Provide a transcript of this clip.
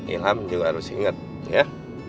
ilham juga harus ingat ya